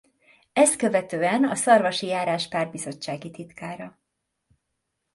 Ezt követően a Szarvasi járás pártbizottsági titkára.